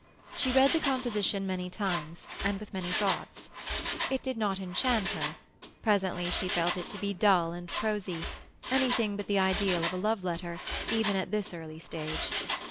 She read the composition many times, and with many thoughts. It did not enchant her; presently she felt it to be dull and prosy—anything but the ideal of a love letter, even at this early stage.